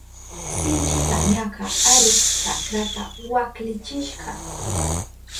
Sinchi tamyaka arus chakrata waklichishka.